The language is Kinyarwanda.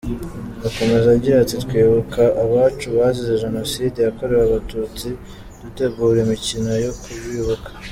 Akomeza agira ati “Twibuka abacu bazize Jenoside yakorewe Abatutsi, dutegura imikino yo kubibuka.